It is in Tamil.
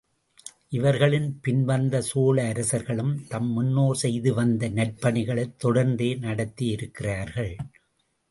இவர்களின் பின் வந்த சோழ அரசர்களும் தம் முன்னோர் செய்து வந்த நற்பணிகளைத் தொடர்ந்தே நடத்தியிருக்கிறார்கள்.